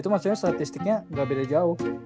itu maksudnya statistiknya nggak beda jauh